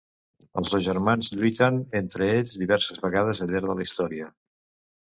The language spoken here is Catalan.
Els dos germans lluiten entre ells diverses vegades al llarg de la història.